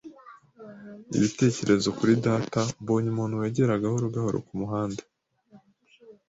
ibitekerezo kuri data, mbonye umuntu wegera gahoro gahoro kumuhanda.